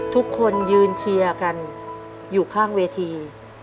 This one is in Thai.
ทุกคนยืนเชียร์กันอยู่ข้างเวที